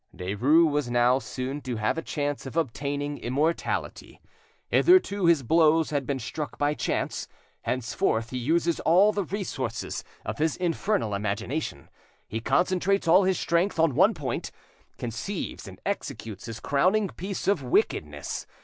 Derues was now soon to have a chance of obtaining immortality. Hitherto his blows had been struck by chance, henceforth he uses all the resources of his infernal imagination; he concentrates all his strength on one point—conceives and executes his crowning piece of wickedness.